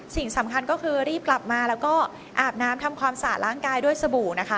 สิ่งสำคัญก็คือรีบกลับมาแล้วก็อาบน้ำทำความสะอาดร่างกายด้วยสบู่นะคะ